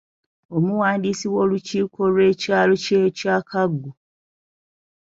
Omuwandiisi w’olukiiko lw’ekyalo kye Kyakago.